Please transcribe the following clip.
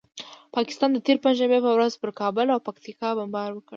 پاکستان د تېرې پنجشنبې په ورځ پر کابل او پکتیکا بمبار وکړ.